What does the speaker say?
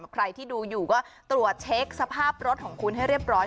ใครที่ดูอยู่ก็ตรวจเช็คสภาพรถของคุณให้เรียบร้อย